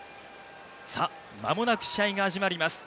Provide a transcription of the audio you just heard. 間もなく試合が始まります。